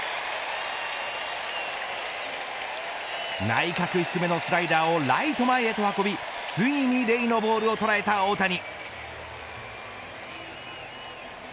内角低めのスライダーをライト前へと運びついにレイのボールを捉えた大谷。